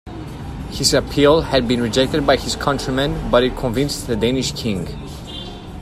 His appeal had been rejected by his countrymen, but it convinced the Danish King.